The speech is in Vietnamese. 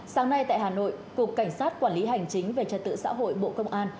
sáng nay tại hà nội cục cảnh sát quản lý hành chính về trật tự xã hội bộ công an